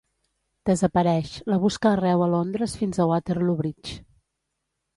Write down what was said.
Desapareix, la busca arreu a Londres fins al Waterloo bridge.